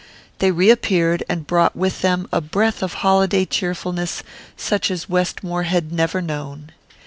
They reappeared, and brought with them a breath of holiday cheerfulness such as Westmore had never known.